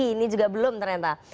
ini juga belum ternyata